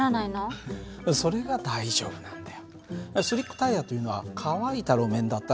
それが大丈夫なんだよ。